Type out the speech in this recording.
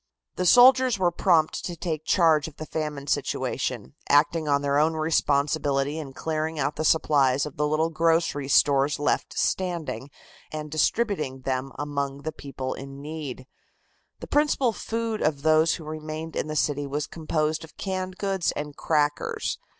The soldiers were prompt to take charge of the famine situation, acting on their own responsibility in clearing out the supplies of the little grocery stores left standing and distributing them among the people in need. The principal food of those who remained in the city was composed of canned goods and crackers.